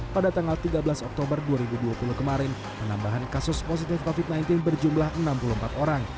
pada tanggal tiga belas oktober dua ribu dua puluh kemarin penambahan kasus positif covid sembilan belas berjumlah enam puluh empat orang